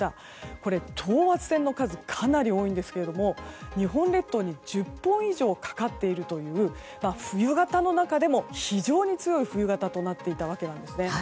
これ、等圧線の数がかなり多いんですが日本列島に１０本以上かかっているという冬型の中でも非常に強い冬型となっていたわけなんですね。